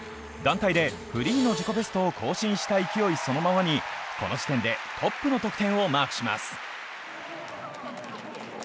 団体でフリーの自己ベストを更新した勢いそのままにこの時点でトップの得点をマークします。